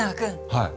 はい。